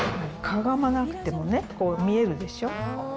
かがまなくてもね、見えるでしょ？